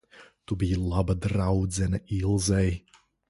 Tu biji laba draudzene Ilzei.